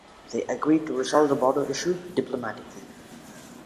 They agreed to resolve the border issue diplomatically.